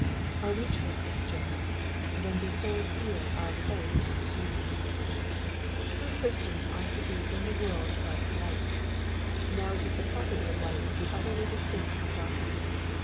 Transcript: Are we true Christians ? Then behold^here our place and its duties ! True Christians are to be in the world like light. Now it is the property of light to be utterly distinct from dark ness.